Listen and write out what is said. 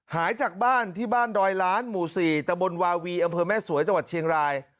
หายจากบ้านที่บ้านดอยล้านหมู่๔ตะบนวาวีอำเภอแม่สวยจังหวัดเชียงราย